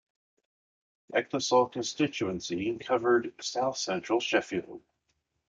Ecclesall constituency covered south central Sheffield.